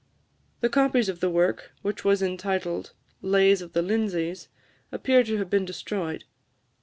The copies of the work, which was entitled "Lays of the Lindsays," appear to have been destroyed.